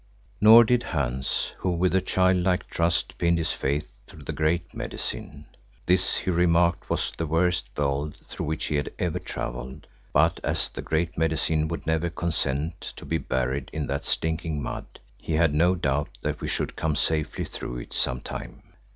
Nor did Hans, who, with a childlike trust, pinned his faith to the Great Medicine. This, he remarked, was the worst veld through which he had ever travelled, but as the Great Medicine would never consent to be buried in that stinking mud, he had no doubt that we should come safely through it some time.